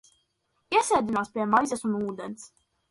Iesēdinās pie maizes un ūdens.